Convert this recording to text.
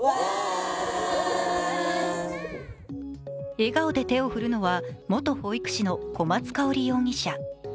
笑顔で手を振るのは元保育士の小松香織容疑者。